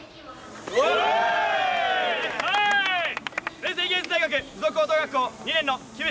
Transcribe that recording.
文星芸術大学付属高等学校２年の木伏